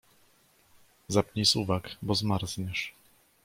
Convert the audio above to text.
Zapnij suwak, bo zmarzniesz.